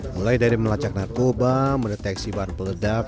mulai dari melacak narkoba mendeteksi barbel ledak